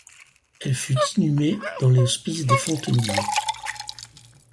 Elle fut inhumée dans l’Hospice des Fontenilles.